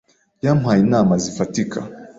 Yampaye inama zifatika.